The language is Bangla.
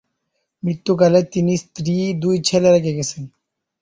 মৃত্যুকালে তিনি স্ত্রী, দুই ছেলে রেখে গেছেন।